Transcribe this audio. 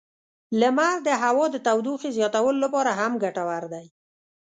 لمر د هوا د تودوخې زیاتولو لپاره هم ګټور دی.